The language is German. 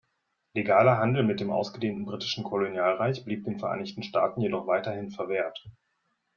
Legaler Handel mit dem ausgedehnten britischen Kolonialreich blieb den Vereinigten Staaten jedoch weiterhin verwehrt.